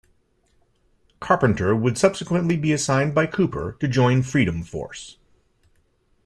Carpenter would subsequently be assigned by Cooper to join Freedom Force.